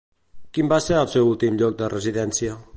Quin va ser el seu últim lloc de residència?